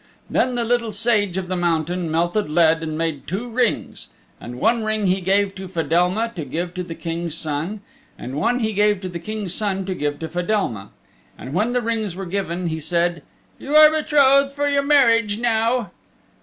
Then the Little Sage of the Mountain melted lead and made two rings; and one ring he gave to Fedelma to give to the King's Son and one he gave to the King's Son to give to Fedelma. And when the rings were given he said, "You are betrothed for your marriage now."